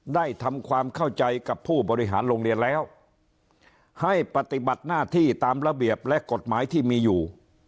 ได้ทำความเข้าใจกับผู้บริหารโรงเรียนแล้วให้ปฏิบัติหน้าที่ตามระเบียบและกฎหมายที่มีอยู่